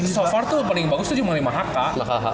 so far tuh paling bagus cuma di mahaka